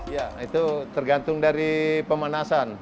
ya itu tergantung dari pemanasan